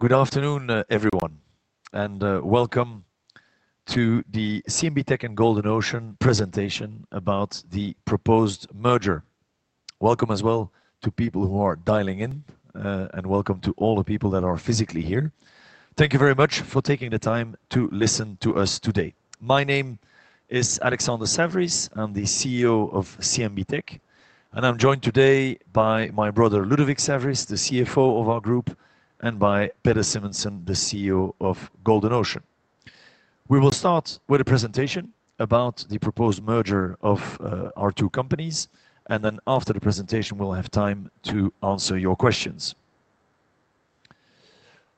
Good afternoon, everyone, and welcome to the CMB Tech and Golden Ocean presentation about the proposed merger. Welcome as well to people who are dialing in, and welcome to all the people that are physically here. Thank you very much for taking the time to listen to us today. My name is Alexander Saverys. I'm the CEO of CMB Tech, and I'm joined today by my brother, Ludovic Saverys, the CFO of our group, and by Peder Simonsen, the CEO of Golden Ocean. We will start with a presentation about the proposed merger of our two companies, and then after the presentation, we'll have time to answer your questions.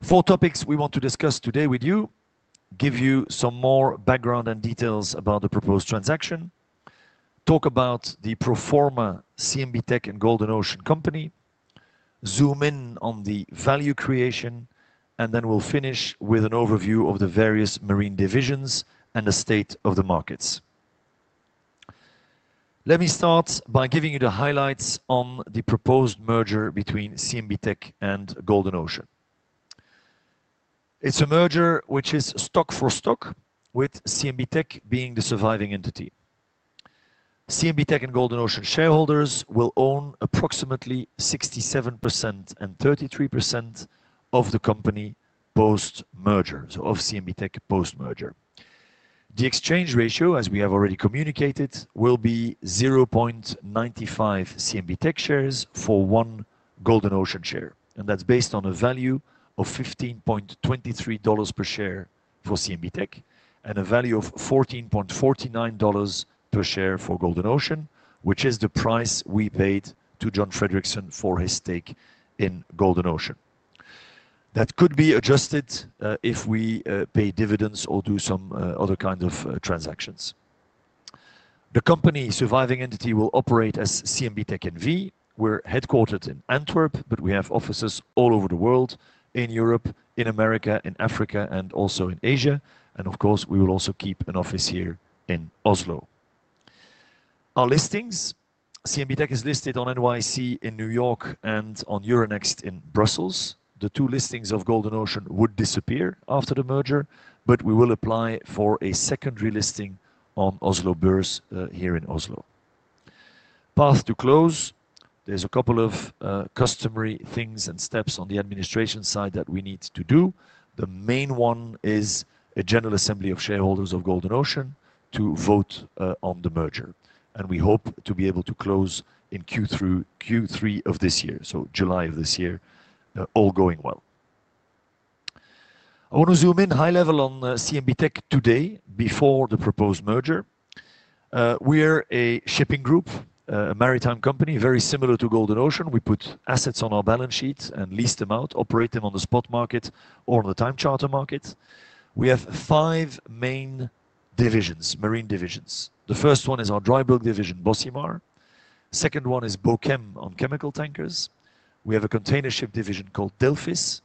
Four topics we want to discuss today with you, give you some more background and details about the proposed transaction, talk about the Proforma CMB Tech and Golden Ocean company, zoom in on the value creation, and then we'll finish with an overview of the various marine divisions and the state of the markets. Let me start by giving you the highlights on the proposed merger between CMB Tech and Golden Ocean. It's a merger which is stock for stock, with CMB Tech being the surviving entity. CMB Tech and Golden Ocean shareholders will own approximately 67% and 33% of the company post-merger, so of CMB Tech post-merger. The exchange ratio, as we have already communicated, will be 0.95 CMB Tech shares for one Golden Ocean share, and that's based on a value of $15.23 per share for CMB Tech and a value of $14.49 per share for Golden Ocean, which is the price we paid to John Fredriksen for his stake in Golden Ocean. That could be adjusted if we pay dividends or do some other kind of transactions. The company surviving entity will operate as CMB Tech NV. We're headquartered in Antwerp, but we have offices all over the world: in Europe, in America, in Africa, and also in Asia. Of course, we will also keep an office here in Oslo. Our listings: CMB Tech is listed on NYSE in New York and on Euronext in Brussels. The two listings of Golden Ocean would disappear after the merger, but we will apply for a secondary listing on Oslo Børs here in Oslo. Path to close. There's a couple of customary things and steps on the administration side that we need to do. The main one is a general assembly of shareholders of Golden Ocean to vote on the merger, and we hope to be able to close in Q3 of this year, so July of this year, all going well. I want to zoom in high level on CMB Tech today before the proposed merger. We're a shipping group, a maritime company very similar to Golden Ocean. We put assets on our balance sheets and lease them out, operate them on the spot market or on the time charter market. We have five main divisions, marine divisions. The first one is our dry bulk division, Bocimar. The second one is Bochem on chemical tankers. We have a container ship division called Delphis.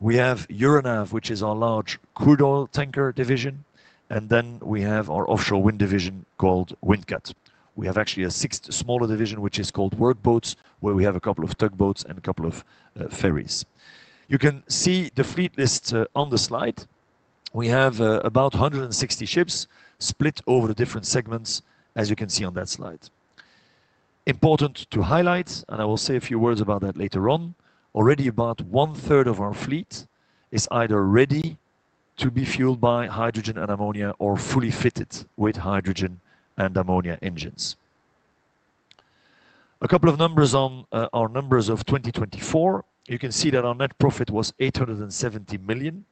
We have Euronav, which is our large crude oil tanker division, and then we have our offshore wind division called Windcat. We have actually a sixth smaller division, which is called Work Boats, where we have a couple of tug boats and a couple of ferries. You can see the fleet list on the slide. We have about 160 ships split over the different segments, as you can see on that slide. Important to highlight, and I will say a few words about that later on, already about one third of our fleet is either ready to be fueled by hydrogen and ammonia or fully fitted with hydrogen and ammonia engines. A couple of numbers on our numbers of 2024. You can see that our net profit was $870 million.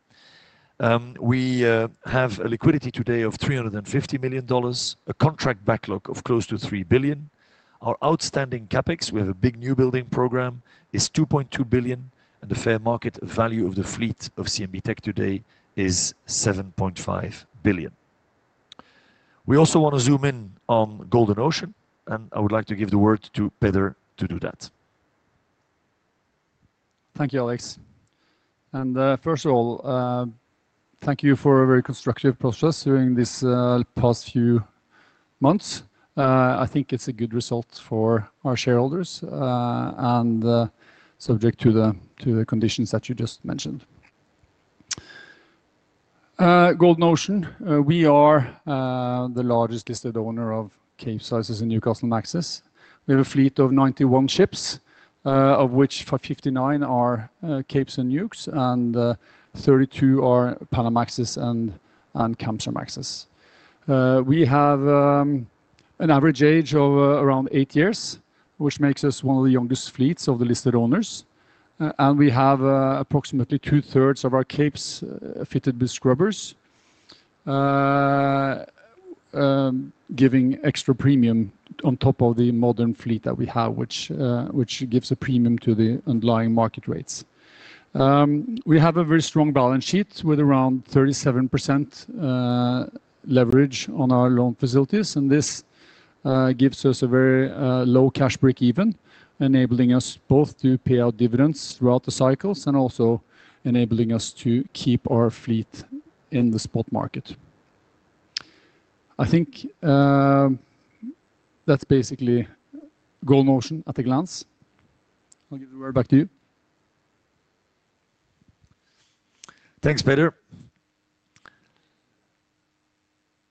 We have a liquidity today of $350 million, a contract backlog of close to $3 billion. Our outstanding CapEx, we have a big new building program, is $2.2 billion, and the fair market value of the fleet of CMB.TECH today is $7.5 billion. We also want to zoom in on Golden Ocean, and I would like to give the word to Peder to do that. Thank you, Alex. First of all, thank you for a very constructive process during these past few months. I think it's a good result for our shareholders and subject to the conditions that you just mentioned. Golden Ocean, we are the largest listed owner of Capesize and Newcastlemaxes. We have a fleet of 91 ships, of which 59 are Capes and Newcastles and 32 are Panamaxes and Kamsarmaxes. We have an average age of around eight years, which makes us one of the youngest fleets of the listed owners. We have approximately two thirds of our Capes fitted with scrubbers, giving extra premium on top of the modern fleet that we have, which gives a premium to the underlying market rates. We have a very strong balance sheet with around 37% leverage on our loan facilities, and this gives us a very low cash break even, enabling us both to pay out dividends throughout the cycles and also enabling us to keep our fleet in the spot market. I think that's basically Golden Ocean at a glance. I'll give the word back to you. Thanks, Peder.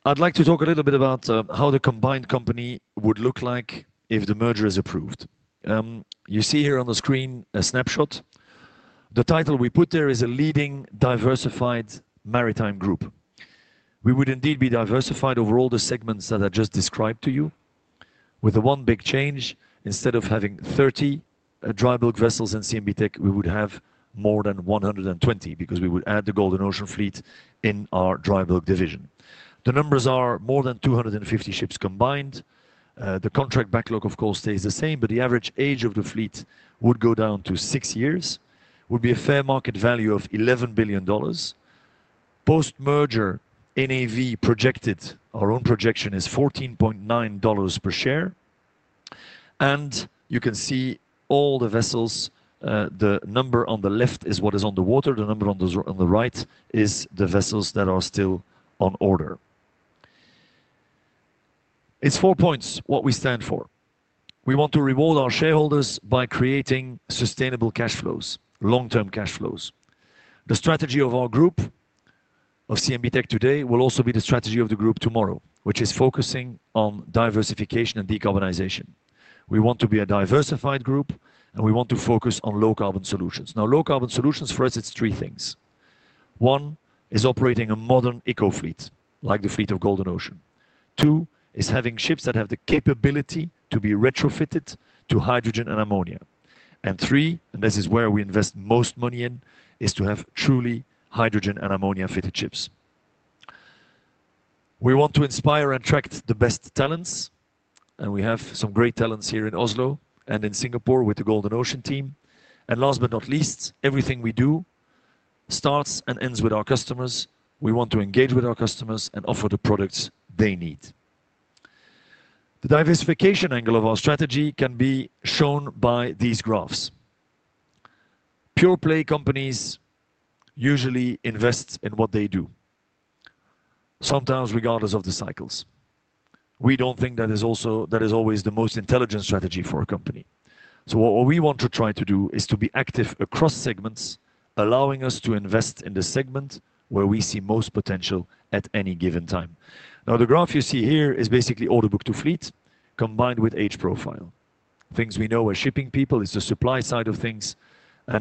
I'd like to talk a little bit about how the combined company would look like if the merger is approved. You see here on the screen a snapshot. The title we put there is a leading diversified maritime group. We would indeed be diversified over all the segments that I just described to you, with the one big change, instead of having 30 dry bulk vessels in CMB Tech, we would have more than 120 because we would add the Golden Ocean fleet in our dry bulk division. The numbers are more than 250 ships combined. The contract backlog, of course, stays the same, but the average age of the fleet would go down to six years. It would be a fair market value of $11 billion. Post-merger, NAV projected, our own projection is $14.9 per share. And you can see all the vessels. The number on the left is what is on the water. The number on the right is the vessels that are still on order. It's four points what we stand for. We want to reward our shareholders by creating sustainable cash flows, long-term cash flows. The strategy of our group, of CMB Tech today, will also be the strategy of the group tomorrow, which is focusing on diversification and decarbonization. We want to be a diversified group, and we want to focus on low carbon solutions. Now, low carbon solutions for us, it's three things. One is operating a modern eco fleet, like the fleet of Golden Ocean. Two is having ships that have the capability to be retrofitted to hydrogen and ammonia. And three, and this is where we invest most money in, is to have truly hydrogen and ammonia fitted ships. We want to inspire and attract the best talents, and we have some great talents here in Oslo and in Singapore with the Golden Ocean team. Last but not least, everything we do starts and ends with our customers. We want to engage with our customers and offer the products they need. The diversification angle of our strategy can be shown by these graphs. Pure play companies usually invest in what they do, sometimes regardless of the cycles. We do not think that is always the most intelligent strategy for a company. What we want to try to do is to be active across segments, allowing us to invest in the segment where we see most potential at any given time. Now, the graph you see here is basically order book to fleet combined with age profile. Things we know as shipping people, it is the supply side of things.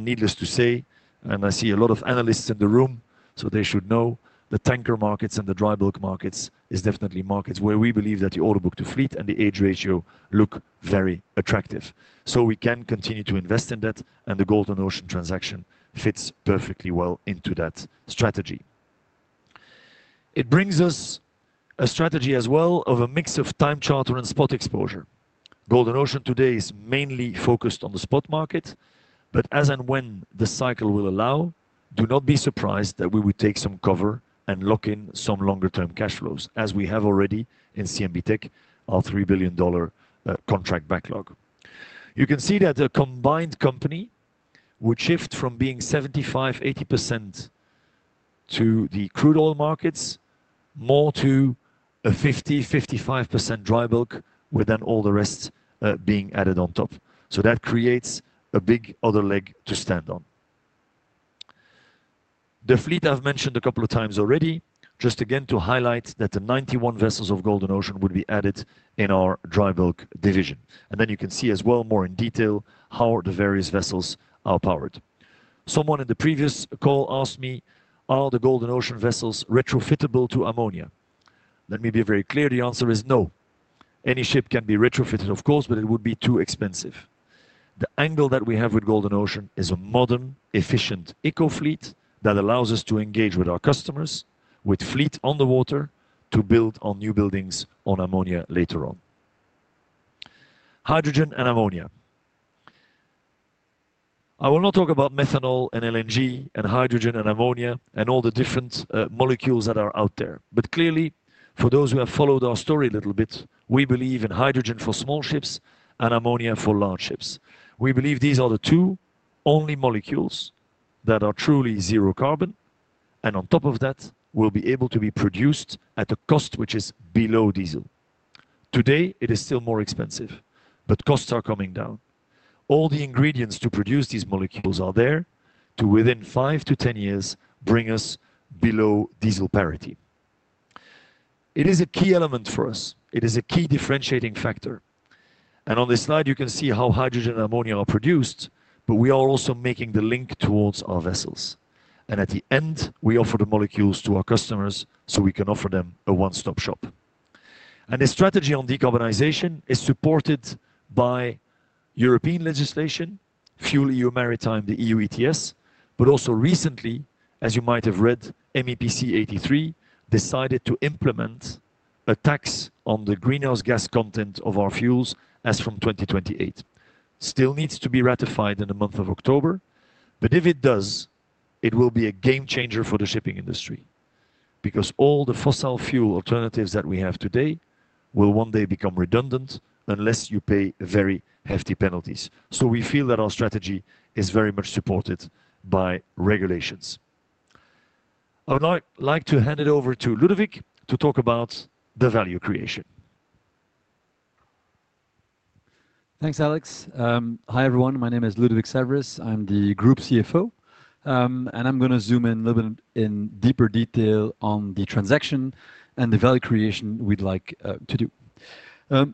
Needless to say, and I see a lot of analysts in the room, so they should know, the tanker markets and the dry bulk markets are definitely markets where we believe that the order book to fleet and the age ratio look very attractive. We can continue to invest in that, and the Golden Ocean transaction fits perfectly well into that strategy. It brings us a strategy as well of a mix of time charter and spot exposure. Golden Ocean today is mainly focused on the spot market, but as and when the cycle will allow, do not be surprised that we would take some cover and lock in some longer-term cash flows, as we have already in CMB Tech, our $3 billion contract backlog. You can see that a combined company would shift from being 75%-80% to the crude oil markets, more to a 50%-55% dry bulk, with then all the rest being added on top. That creates a big other leg to stand on. The fleet I've mentioned a couple of times already, just again to highlight that the 91 vessels of Golden Ocean would be added in our dry bulk division. You can see as well more in detail how the various vessels are powered. Someone in the previous call asked me, are the Golden Ocean vessels retrofittable to ammonia? Let me be very clear, the answer is no. Any ship can be retrofitted, of course, but it would be too expensive. The angle that we have with Golden Ocean is a modern, efficient eco fleet that allows us to engage with our customers with fleet on the water to build on new buildings on ammonia later on. Hydrogen and ammonia. I will not talk about methanol and LNG and hydrogen and ammonia and all the different molecules that are out there. Clearly, for those who have followed our story a little bit, we believe in hydrogen for small ships and ammonia for large ships. We believe these are the two only molecules that are truly zero carbon, and on top of that, will be able to be produced at a cost which is below diesel. Today, it is still more expensive, but costs are coming down. All the ingredients to produce these molecules are there to, within five to 10 years, bring us below diesel parity. It is a key element for us. It is a key differentiating factor. On this slide, you can see how hydrogen and ammonia are produced, but we are also making the link towards our vessels. At the end, we offer the molecules to our customers so we can offer them a one-stop shop. The strategy on decarbonization is supported by European legislation, FuelEU Maritime, the EU ETS, but also recently, as you might have read, MEPC 83 decided to implement a tax on the greenhouse gas content of our fuels as from 2028. It still needs to be ratified in the month of October, but if it does, it will be a game changer for the shipping industry because all the fossil fuel alternatives that we have today will one day become redundant unless you pay very hefty penalties. We feel that our strategy is very much supported by regulations. I would like to hand it over to Ludovic to talk about the value creation. Thanks, Alex. Hi everyone. My name is Ludovic Saverys. I'm the group CFO, and I'm going to zoom in a little bit in deeper detail on the transaction and the value creation we'd like to do.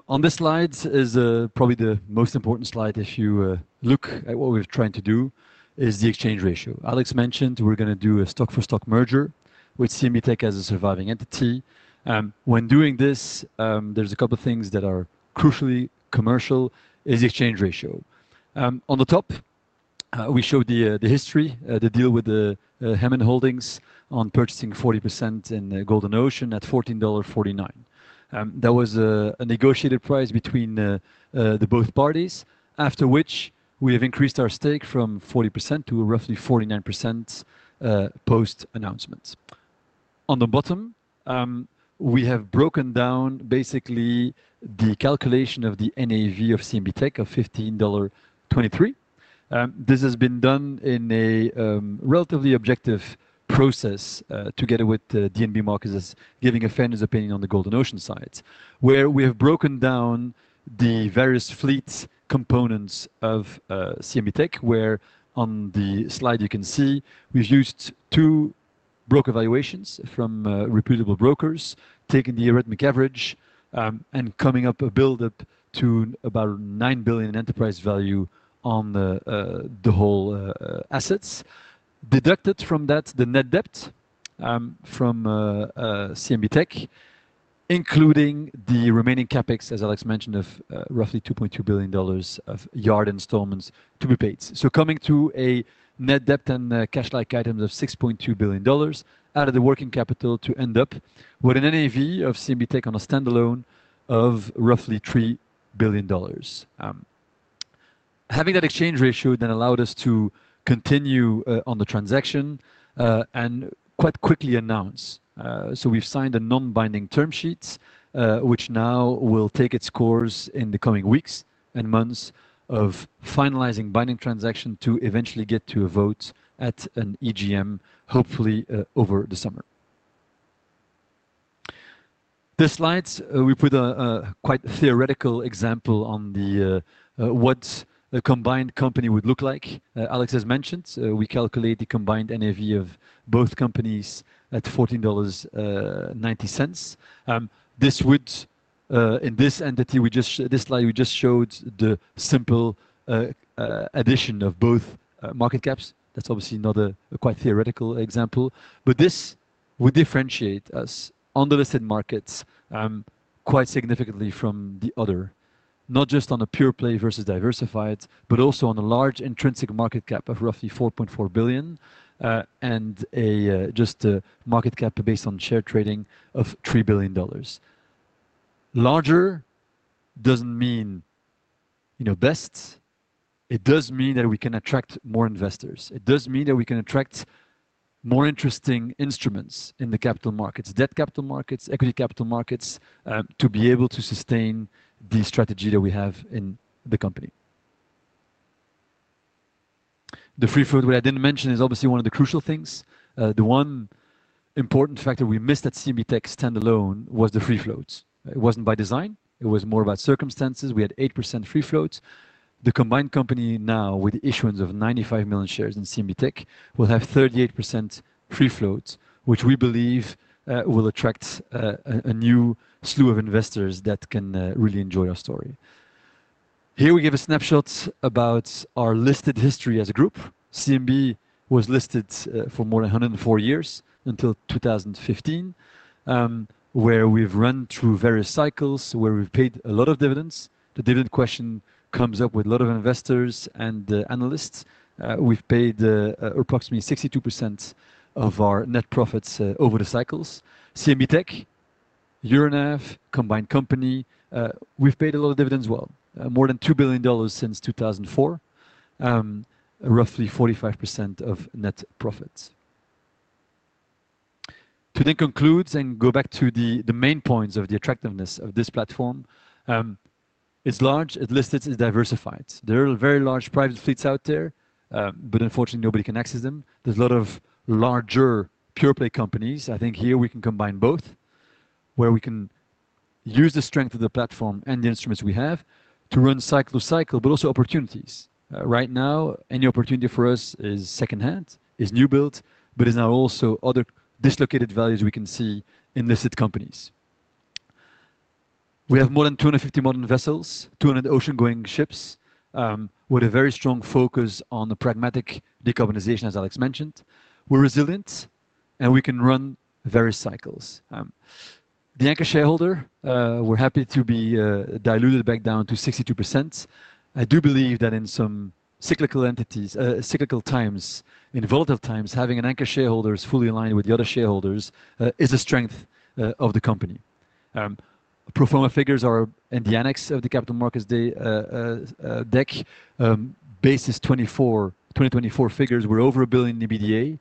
On this slide is probably the most important slide if you look at what we're trying to do, is the exchange ratio. Alex mentioned we're going to do a stock-for-stock merger with CMB Tech as a surviving entity. When doing this, there's a couple of things that are crucially commercial, is the exchange ratio. On the top, we showed the history, the deal with the Hemen Holdings on purchasing 40% in Golden Ocean at $14.49. That was a negotiated price between the both parties, after which we have increased our stake from 40% to roughly 49% post-announcement. On the bottom, we have broken down basically the calculation of the NAV of CMB Tech of $15.23. This has been done in a relatively objective process together with DNB Markets giving a fairness opinion on the Golden Ocean side, where we have broken down the various fleet components of CMB Tech, where on the slide you can see we've used two broker valuations from reputable brokers, taking the arithmetic average and coming up a buildup to about $9 billion in enterprise value on the whole assets. Deducted from that, the net debt from CMB Tech, including the remaining CapEx, as Alex mentioned, of roughly $2.2 billion of yard installments to be paid. Coming to a net debt and cash-like items of $6.2 billion out of the working capital to end up with an NAV of CMB Tech on a standalone of roughly $3 billion. Having that exchange ratio then allowed us to continue on the transaction and quite quickly announce. We have signed a non-binding term sheet, which now will take its course in the coming weeks and months of finalizing binding transaction to eventually get to a vote at an EGM, hopefully over the summer. This slide, we put a quite theoretical example on what a combined company would look like. Alex has mentioned we calculate the combined NAV of both companies at $14.90. This would, in this entity, this slide, we just showed the simple addition of both market caps. That's obviously not a quite theoretical example, but this would differentiate us on the listed markets quite significantly from the other, not just on a pure play versus diversified, but also on a large intrinsic market cap of roughly $4.4 billion and just a market cap based on share trading of $3 billion. Larger doesn't mean best. It does mean that we can attract more investors. It does mean that we can attract more interesting instruments in the capital markets, debt capital markets, equity capital markets, to be able to sustain the strategy that we have in the company. The free float, what I didn't mention, is obviously one of the crucial things. The one important factor we missed at CMB Tech standalone was the free float. It wasn't by design. It was more about circumstances. We had 8% free float. The combined company now, with the issuance of 95 million shares in CMB Tech, will have 38% free float, which we believe will attract a new slew of investors that can really enjoy our story. Here we give a snapshot about our listed history as a group. CMB was listed for more than 104 years until 2015, where we've run through various cycles where we've paid a lot of dividends. The dividend question comes up with a lot of investors and analysts. We've paid approximately 62% of our net profits over the cycles. CMB Tech, year and a half, combined company, we've paid a lot of dividends well, more than $2 billion since 2004, roughly 45% of net profits. To then conclude and go back to the main points of the attractiveness of this platform, it's large, it's listed, it's diversified. There are very large private fleets out there, but unfortunately, nobody can access them. There are a lot of larger pure play companies. I think here we can combine both, where we can use the strength of the platform and the instruments we have to run cycle to cycle, but also opportunities. Right now, any opportunity for us is secondhand, is new build, but is now also other dislocated values we can see in listed companies. We have more than 250 modern vessels, 200 ocean-going ships, with a very strong focus on the pragmatic decarbonization, as Alex mentioned. We are resilient, and we can run various cycles. The anchor shareholder, we are happy to be diluted back down to 62%. I do believe that in some cyclical times, in volatile times, having an anchor shareholder who is fully aligned with the other shareholders is a strength of the company. Proforma figures are in the annex of the capital markets deck. Base is 2024, 2024 figures were over a billion EBITDA.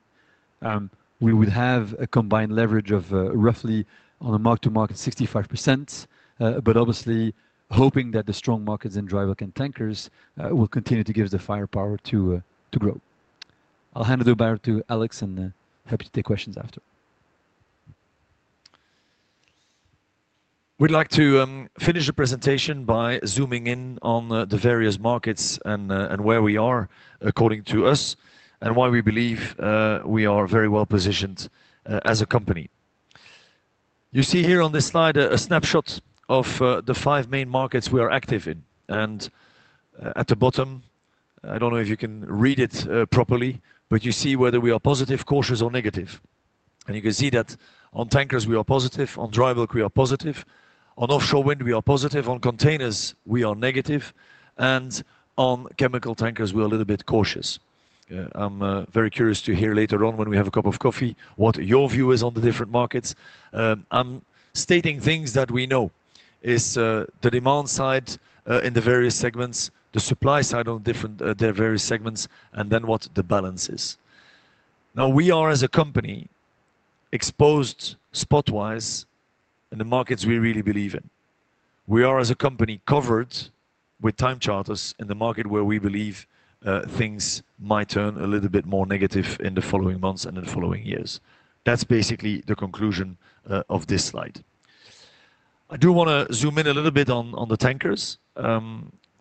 We would have a combined leverage of roughly on a mark to market 65%, but obviously hoping that the strong markets in dry bulk and tankers will continue to give us the firepower to grow. I'll hand it over to Alex and happy to take questions after. We'd like to finish the presentation by zooming in on the various markets and where we are, according to us, and why we believe we are very well positioned as a company. You see here on this slide a snapshot of the five main markets we are active in. At the bottom, I do not know if you can read it properly, but you see whether we are positive, cautious, or negative. You can see that on tankers, we are positive, on dry bulk, we are positive, on offshore wind, we are positive, on containers, we are negative, and on chemical tankers, we are a little bit cautious. I am very curious to hear later on when we have a cup of coffee what your view is on the different markets. I am stating things that we know is the demand side in the various segments, the supply side on their various segments, and then what the balance is. Now, we are as a company exposed spot-wise in the markets we really believe in. We are as a company covered with time charters in the market where we believe things might turn a little bit more negative in the following months and in the following years. That is basically the conclusion of this slide. I do want to zoom in a little bit on the tankers.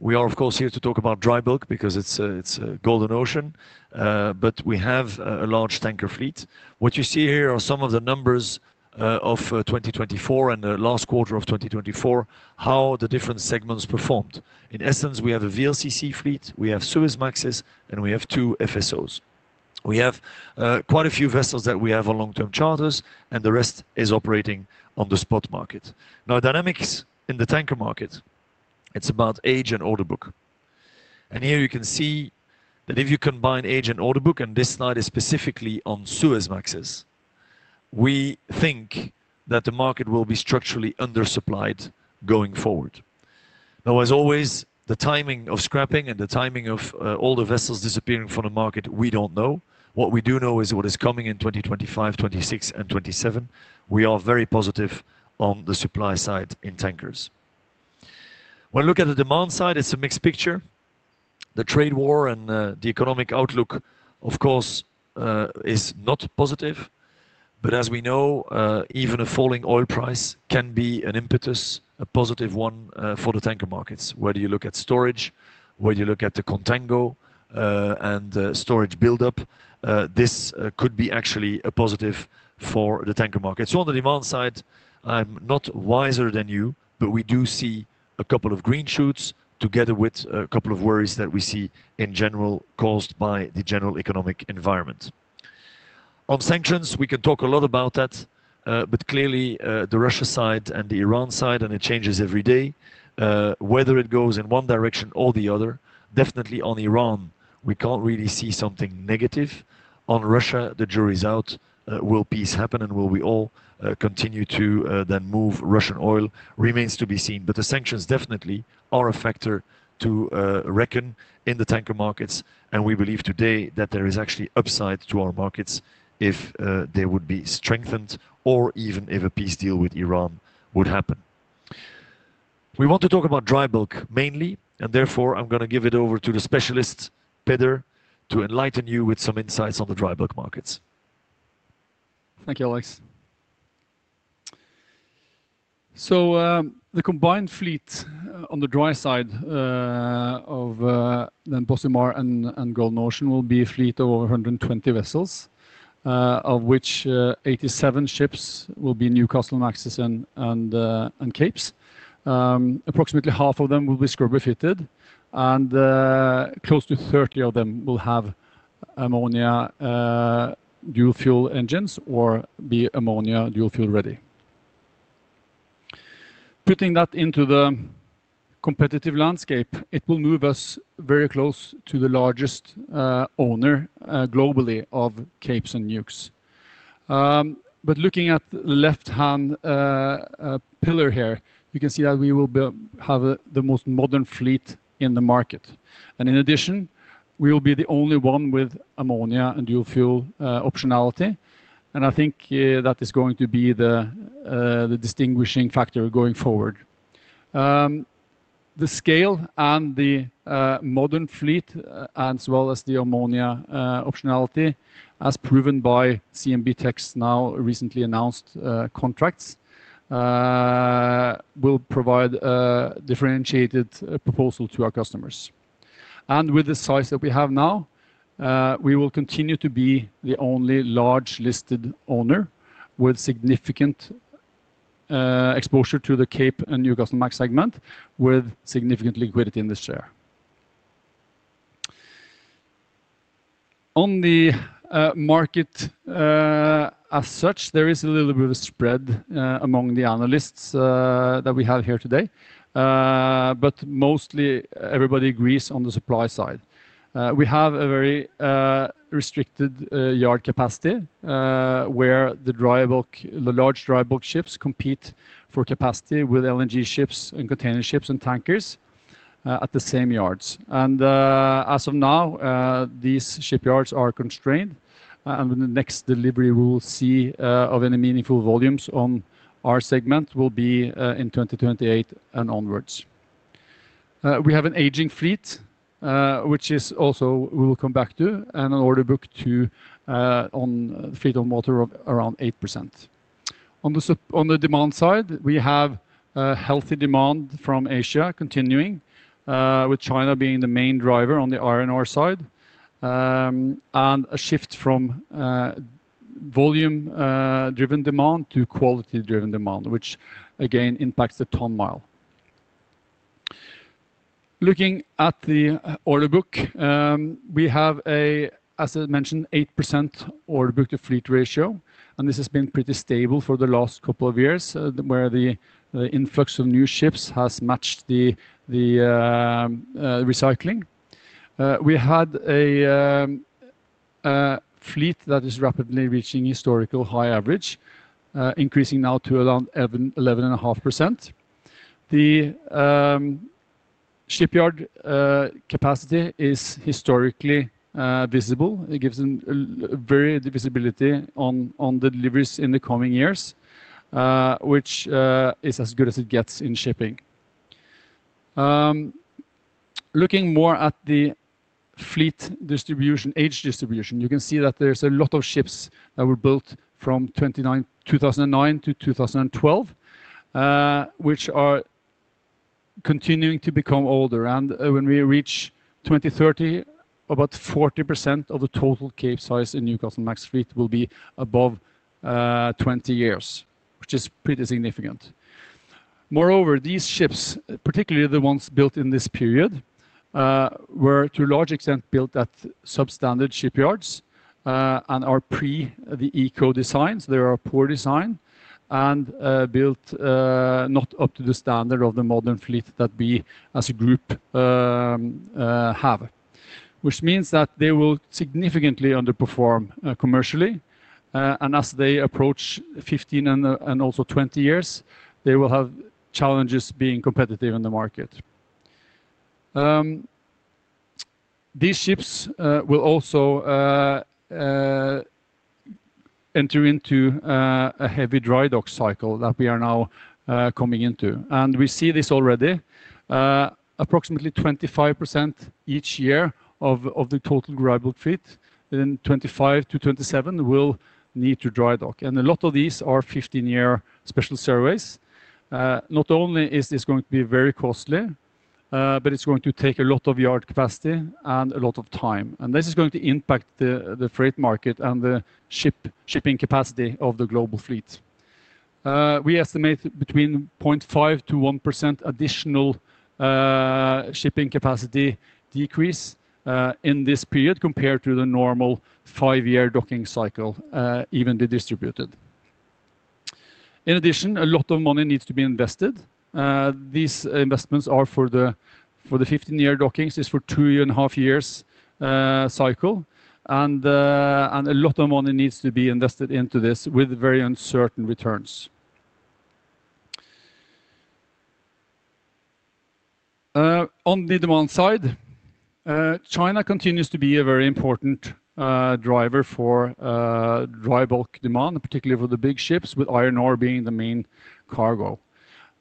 We are, of course, here to talk about dry bulk because it's a Golden Ocean, but we have a large tanker fleet. What you see here are some of the numbers of 2024 and the last quarter of 2024, how the different segments performed. In essence, we have a VLCC fleet, we have Suezmaxes, and we have two FSOs. We have quite a few vessels that we have on long-term charters, and the rest is operating on the spot market. Now, dynamics in the tanker market, it's about age and order book. Here you can see that if you combine age and order book, and this slide is specifically on Suezmaxes, we think that the market will be structurally undersupplied going forward. Now, as always, the timing of scrapping and the timing of all the vessels disappearing from the market, we don't know. What we do know is what is coming in 2025, 2026, and 2027. We are very positive on the supply side in tankers. When we look at the demand side, it's a mixed picture. The trade war and the economic outlook, of course, is not positive, but as we know, even a falling oil price can be an impetus, a positive one for the tanker markets. Whether you look at storage, whether you look at the contango and storage buildup, this could be actually a positive for the tanker market. On the demand side, I'm not wiser than you, but we do see a couple of green shoots together with a couple of worries that we see in general caused by the general economic environment. On sanctions, we can talk a lot about that, but clearly the Russia side and the Iran side, and it changes every day, whether it goes in one direction or the other. Definitely on Iran, we can't really see something negative. On Russia, the jury's out. Will peace happen and will we all continue to then move Russian oil remains to be seen, but the sanctions definitely are a factor to reckon in the tanker markets, and we believe today that there is actually upside to our markets if they would be strengthened or even if a peace deal with Iran would happen. We want to talk about dry bulk mainly, and therefore I'm going to give it over to the specialist, Peder, to enlighten you with some insights on the dry bulk markets. Thank you, Alex. The combined fleet on the dry side of then Bocimar and Golden Ocean will be a fleet of over 120 vessels, of which 87 ships will be Newcastlemaxes and Capes. Approximately half of them will be scrubber-fitted, and close to 30 of them will have ammonia dual fuel engines or be ammonia dual fuel ready. Putting that into the competitive landscape, it will move us very close to the largest owner globally of Capes and Newcastlemaxes. Looking at the left-hand pillar here, you can see that we will have the most modern fleet in the market. In addition, we will be the only one with ammonia and dual fuel optionality. I think that is going to be the distinguishing factor going forward. The scale and the modern fleet, as well as the ammonia optionality, as proven by CMB.TECH's now recently announced contracts, will provide a differentiated proposal to our customers. With the size that we have now, we will continue to be the only large listed owner with significant exposure to the Cape and Newcastlemax segment with significant liquidity in this share. On the market as such, there is a little bit of a spread among the analysts that we have here today, but mostly everybody agrees on the supply side. We have a very restricted yard capacity where the large dry bulk ships compete for capacity with LNG ships and container ships and tankers at the same yards. As of now, these shipyards are constrained, and the next delivery we will see of any meaningful volumes on our segment will be in 2028 and onwards. We have an aging fleet, which is also we will come back to, and an order book to on fleet on water around 8%. On the demand side, we have healthy demand from Asia continuing, with China being the main driver on the R&R side, and a shift from volume-driven demand to quality-driven demand, which again impacts the ton mile. Looking at the order book, we have, as I mentioned, 8% order book to fleet ratio, and this has been pretty stable for the last couple of years where the influx of new ships has matched the recycling. We had a fleet that is rapidly reaching historical high average, increasing now to around 11.5%. The shipyard capacity is historically visible. It gives them very visibility on the deliveries in the coming years, which is as good as it gets in shipping. Looking more at the fleet distribution, age distribution, you can see that there's a lot of ships that were built from 2009 to 2012, which are continuing to become older. When we reach 2030, about 40% of the total Capesize and Newcastlemax fleet will be above 20 years, which is pretty significant. Moreover, these ships, particularly the ones built in this period, were to a large extent built at substandard shipyards and are pre the eco designs. They are poor design and built not up to the standard of the modern fleet that we as a group have, which means that they will significantly underperform commercially. As they approach 15 years and also 20 years, they will have challenges being competitive in the market. These ships will also enter into a heavy dry dock cycle that we are now coming into. We see this already. Approximately 25% each year of the total dry bulk fleet in 2025 to 2027 will need to dry dock. A lot of these are 15-year special surveys. Not only is this going to be very costly, but it is going to take a lot of yard capacity and a lot of time. This is going to impact the freight market and the shipping capacity of the global fleet. We estimate between 0.5%-1% additional shipping capacity decrease in this period compared to the normal five-year docking cycle, evenly distributed. In addition, a lot of money needs to be invested. These investments are for the 15-year dockings. This is for a two and a half year cycle. A lot of money needs to be invested into this with very uncertain returns. On the demand side, China continues to be a very important driver for dry bulk demand, particularly for the big ships, with iron ore being the main cargo.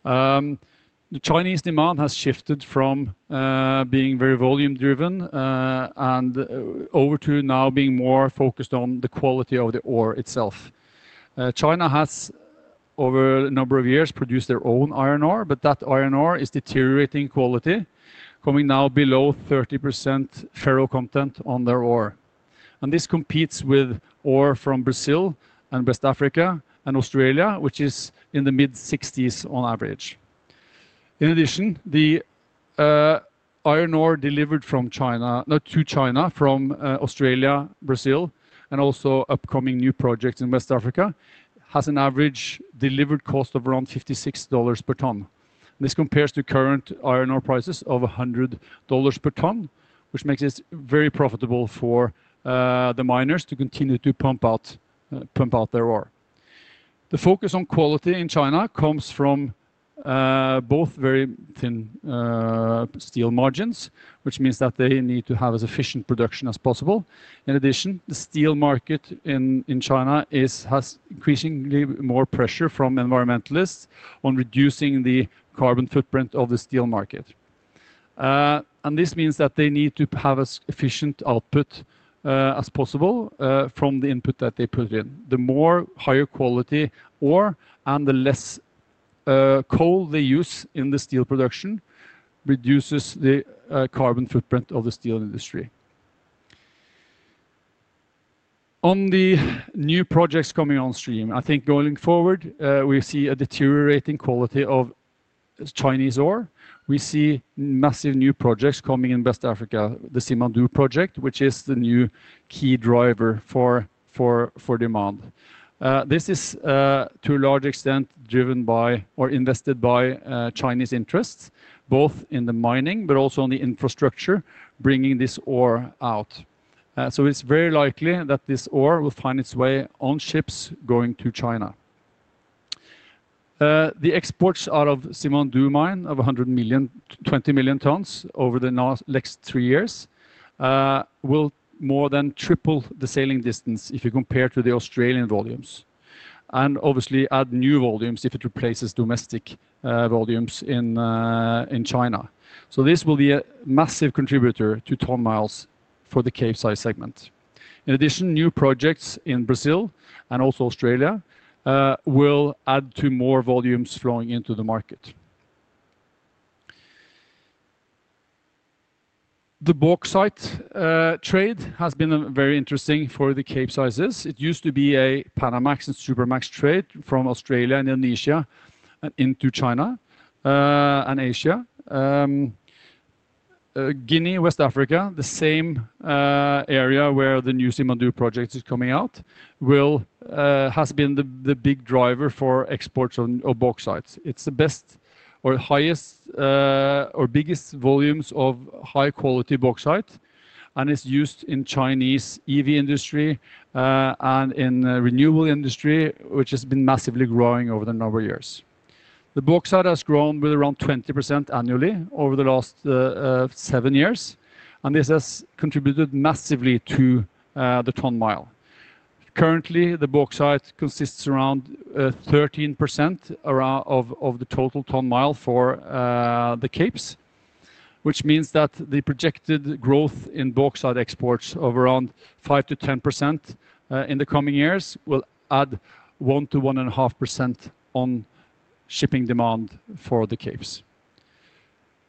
The Chinese demand has shifted from being very volume-driven and over to now being more focused on the quality of the ore itself. China has, over a number of years, produced their own iron ore, but that iron ore is deteriorating quality, coming now below 30% ferro content on their ore. This competes with ore from Brazil and West Africa and Australia, which is in the mid-60% on average. In addition, the iron ore delivered from China, not to China, from Australia, Brazil, and also upcoming new projects in West Africa has an average delivered cost of around $56 per ton. This compares to current iron ore prices of $100 per ton, which makes it very profitable for the miners to continue to pump out their ore. The focus on quality in China comes from both very thin steel margins, which means that they need to have as efficient production as possible. In addition, the steel market in China has increasingly more pressure from environmentalists on reducing the carbon footprint of the steel market. This means that they need to have as efficient output as possible from the input that they put in. The more higher quality ore and the less coal they use in the steel production reduces the carbon footprint of the steel industry. On the new projects coming on stream, I think going forward, we see a deteriorating quality of Chinese ore. We see massive new projects coming in West Africa, the Simandou project, which is the new key driver for demand. This is to a large extent driven by or invested by Chinese interests, both in the mining, but also in the infrastructure bringing this ore out. It is very likely that this ore will find its way on ships going to China. The exports out of Simandou mine of 120 million tons over the next three years will more than triple the sailing distance if you compare to the Australian volumes, and obviously add new volumes if it replaces domestic volumes in China. This will be a massive contributor to ton miles for the Capesize segment. In addition, new projects in Brazil and also Australia will add to more volumes flowing into the market. The bauxite trade has been very interesting for the Capesizes. It used to be a Panamax and Supramax trade from Australia and Indonesia into China and Asia. Guinea, West Africa, the same area where the new Simandou project is coming out, has been the big driver for exports of bauxite. It's the best or highest or biggest volumes of high-quality bauxite, and it's used in Chinese EV industry and in renewable industry, which has been massively growing over the number of years. The bauxite has grown with around 20% annually over the last seven years, and this has contributed massively to the ton mile. Currently, the bauxite consists around 13% of the total ton mile for the Capes, which means that the projected growth in bauxite exports of around 5%-10% in the coming years will add 1%-1.5% on shipping demand for the Capes.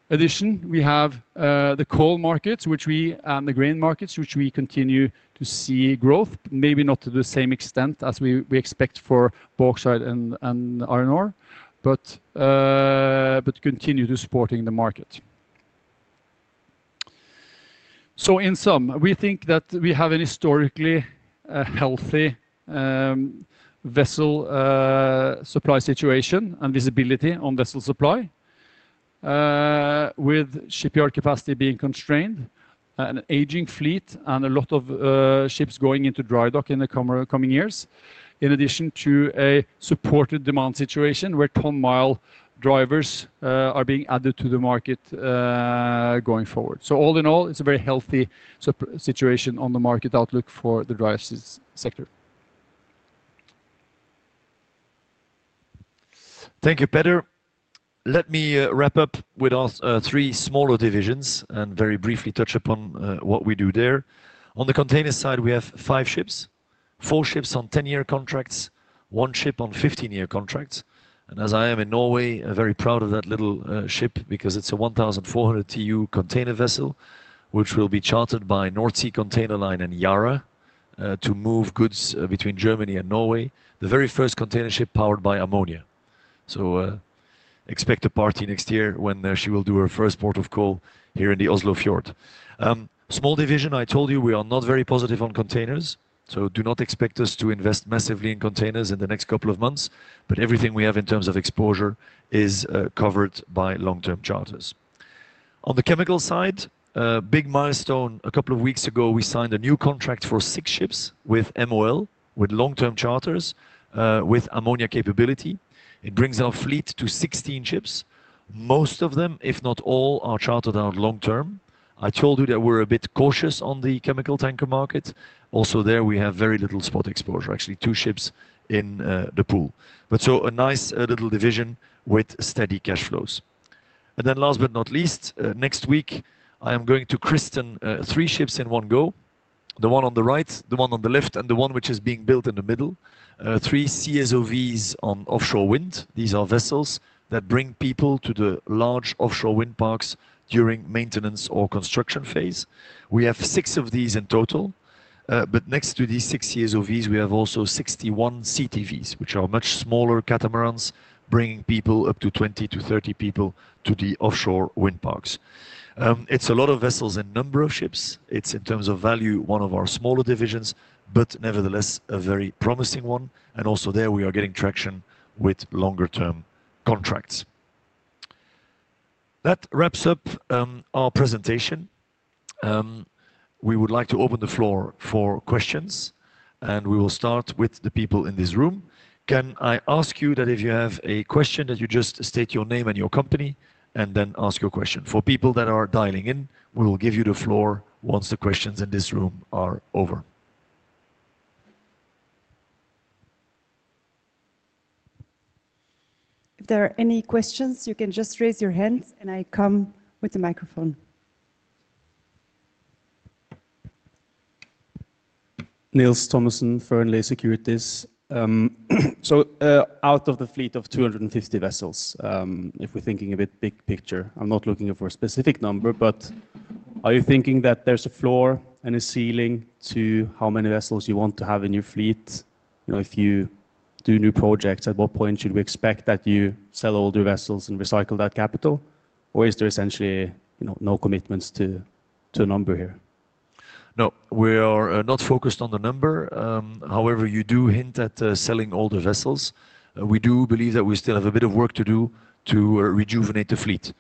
In addition, we have the coal markets, which we and the grain markets, which we continue to see growth, maybe not to the same extent as we expect for bauxite and iron ore, but continue to support the market. In sum, we think that we have a historically healthy vessel supply situation and visibility on vessel supply, with shipyard capacity being constrained, an aging fleet, and a lot of ships going into dry dock in the coming years, in addition to a supported demand situation where ton mile drivers are being added to the market going forward. All in all, it is a very healthy situation on the market outlook for the dry sector. Thank you, Peder. Let me wrap up with our three smaller divisions and very briefly touch upon what we do there. On the container side, we have five ships, four ships on 10-year contracts, one ship on 15-year contracts. As I am in Norway, very proud of that little ship because it is a 1,400 TEU container vessel, which will be chartered by North Sea Container Line and Yara to move goods between Germany and Norway, the very first container ship powered by ammonia. Expect a party next year when she will do her first port of call here in the Oslo Fjord. Small division, I told you, we are not very positive on containers, so do not expect us to invest massively in containers in the next couple of months, but everything we have in terms of exposure is covered by long-term charters. On the chemical side, big milestone, a couple of weeks ago, we signed a new contract for six ships with MOL, with long-term charters, with ammonia capability. It brings our fleet to 16 ships. Most of them, if not all, are chartered out long-term. I told you that we're a bit cautious on the chemical tanker market. Also there, we have very little spot exposure, actually two ships in the pool. A nice little division with steady cash flows. Last but not least, next week, I am going to christen three ships in one go, the one on the right, the one on the left, and the one which is being built in the middle, three CSOVs on offshore wind. These are vessels that bring people to the large offshore wind parks during maintenance or construction phase. We have six of these in total, but next to these six CSOVs, we have also 61 CTVs, which are much smaller catamarans, bringing people, up to 20 to 30 people, to the offshore wind parks. It is a lot of vessels in number of ships. It is, in terms of value, one of our smaller divisions, but nevertheless a very promising one. Also there, we are getting traction with longer-term contracts. That wraps up our presentation. We would like to open the floor for questions, and we will start with the people in this room. Can I ask you that if you have a question, that you just state your name and your company and then ask your question? For people that are dialing in, we will give you the floor once the questions in this room are over. If there are any questions, you can just raise your hand, and I come with the microphone. Out of the fleet of 250 vessels, if we're thinking a bit big picture, I'm not looking for a specific number, but are you thinking that there's a floor and a ceiling to how many vessels you want to have in your fleet? If you do new projects, at what point should we expect that you sell all the vessels and recycle that capital? Or is there essentially no commitments to a number here? No, we are not focused on the number. However, you do hint at selling older vessels. We do believe that we still have a bit of work to do to rejuvenate the fleet.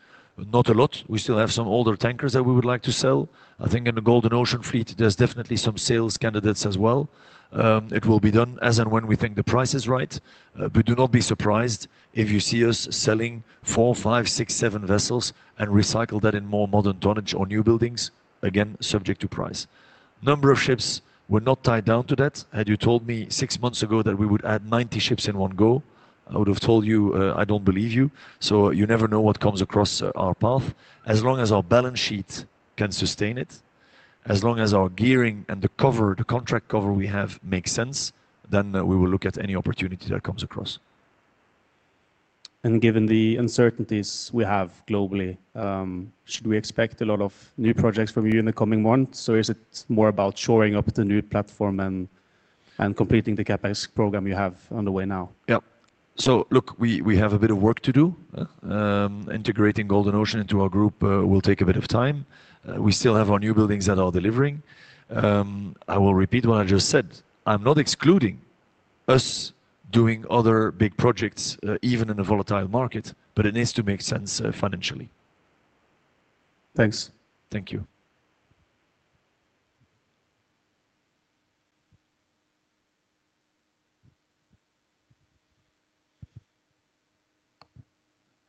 Not a lot. We still have some older tankers that we would like to sell. I think in the Golden Ocean fleet, there are definitely some sales candidates as well. It will be done as and when we think the price is right. Do not be surprised if you see us selling four, five, six, seven vessels and recycle that in more modern tonnage or new buildings, again, subject to price. Number of ships, we are not tied down to that. Had you told me six months ago that we would add 90 ships in one go, I would have told you I do not believe you. You never know what comes across our path. As long as our balance sheet can sustain it, as long as our gearing and the contract cover we have makes sense, then we will look at any opportunity that comes across. Given the uncertainties we have globally, should we expect a lot of new projects from you in the coming months? Is it more about shoring up the new platform and completing the CapEx program you have underway now? Yeah. Look, we have a bit of work to do. Integrating Golden Ocean into our group will take a bit of time. We still have our new buildings that are delivering. I will repeat what I just said. I'm not excluding us doing other big projects, even in a volatile market, but it needs to make sense financially. Thanks. Thank you.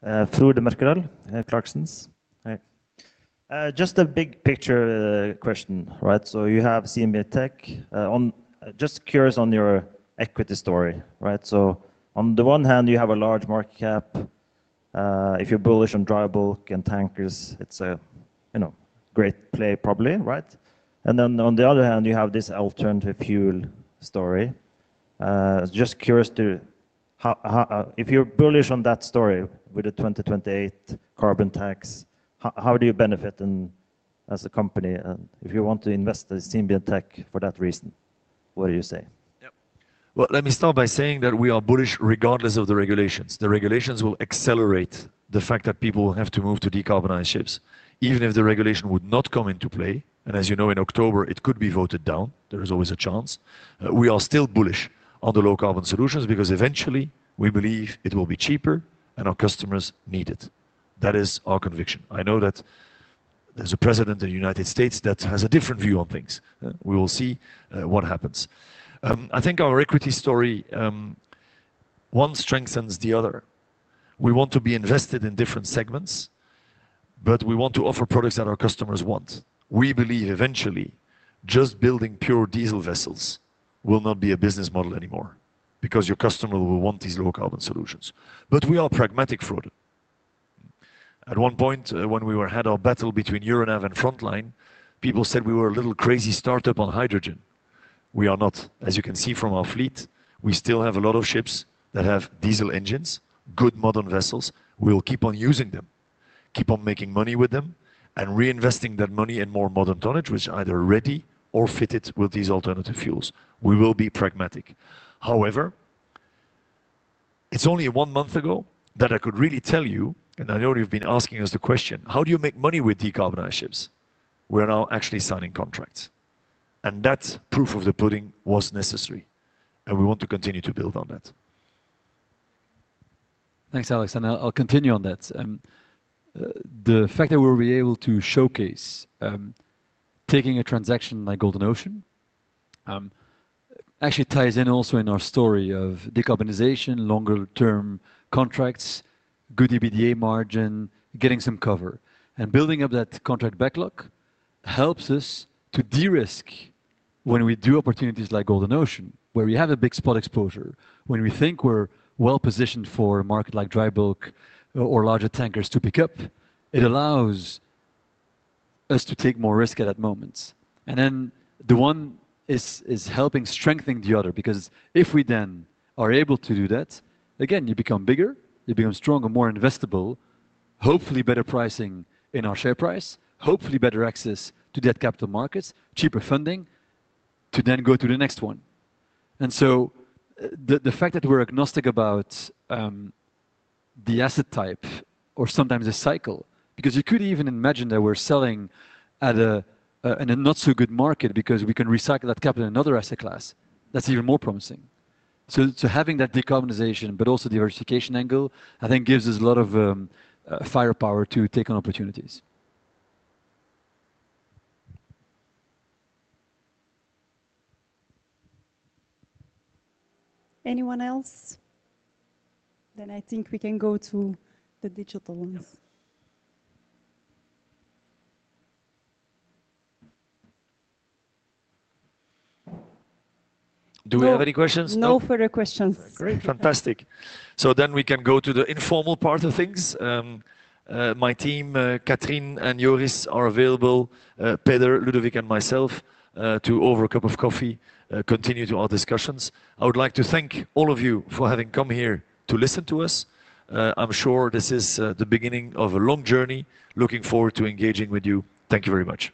Through the mercurial. Clarksons. Just a big picture question, right? You have CMB Tech. Just curious on your equity story, right? On the one hand, you have a large market cap. If you're bullish on dry bulk and tankers, it's a great play probably, right? On the other hand, you have this alternative fuel story. Just curious, if you're bullish on that story with the 2028 carbon tax, how do you benefit as a company? If you want to invest in CMB Tech for that reason, what do you say? Let me start by saying that we are bullish regardless of the regulations. The regulations will accelerate the fact that people have to move to decarbonize ships, even if the regulation would not come into play. As you know, in October, it could be voted down. There is always a chance. We are still bullish on the low carbon solutions because eventually, we believe it will be cheaper and our customers need it. That is our conviction. I know that there is a president in the United States that has a different view on things. We will see what happens. I think our equity story, one strengthens the other. We want to be invested in different segments, but we want to offer products that our customers want. We believe eventually, just building pure diesel vessels will not be a business model anymore because your customer will want these low carbon solutions. We are pragmatic for it. At one point, when we had our battle between Euronav and Frontline, people said we were a little crazy startup on hydrogen. We are not, as you can see from our fleet, we still have a lot of ships that have diesel engines, good modern vessels. We'll keep on using them, keep on making money with them, and reinvesting that money in more modern tonnage, which is either ready or fitted with these alternative fuels. We will be pragmatic. However, it's only one month ago that I could really tell you, and I know you've been asking us the question, how do you make money with decarbonized ships? We're now actually signing contracts. That proof of the pudding was necessary. We want to continue to build on that. Thanks, Alex. I'll continue on that. The fact that we'll be able to showcase taking a transaction like Golden Ocean actually ties in also in our story of decarbonization, longer-term contracts, good EBDA margin, getting some cover. Building up that contract backlog helps us to de-risk when we do opportunities like Golden Ocean, where we have a big spot exposure. When we think we're well positioned for a market like dry bulk or larger tankers to pick up, it allows us to take more risk at that moment. The one is helping strengthen the other because if we then are able to do that, again, you become bigger, you become stronger, more investable, hopefully better pricing in our share price, hopefully better access to capital markets, cheaper funding to then go to the next one. The fact that we're agnostic about the asset type or sometimes the cycle, because you could even imagine that we're selling at a not-so-good market because we can recycle that capital in another asset class, that's even more promising. Having that decarbonization, but also diversification angle, I think gives us a lot of firepower to take on opportunities. Anyone else? I think we can go to the digital ones. Do we have any questions? No further questions. Great. Fantastic. We can go to the informal part of things. My team, Katrien and Joris, are available, Peder, Ludovic, and myself to, over a cup of coffee, continue our discussions. I would like to thank all of you for having come here to listen to us. I'm sure this is the beginning of a long journey. Looking forward to engaging with you. Thank you very much.